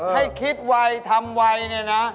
ให้คิดไวทำไวเนี่ยนะ